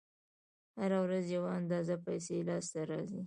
هره ورځ یوه اندازه پیسې لاس ته راځي